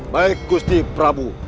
baik gusti prabu